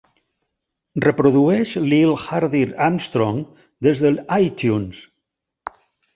Reprodueix Lil Hardin Armstrong des de l'Itunes.